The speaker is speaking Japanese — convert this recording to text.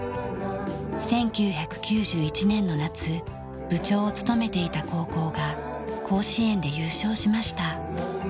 １９９１年の夏部長を務めていた高校が甲子園で優勝しました。